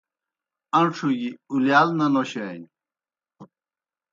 اݩڇھوْ گیْ اُلِیال نہ نوشانیْ